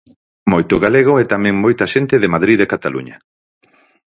Moito galego e tamén moita xente de Madrid e de Cataluña.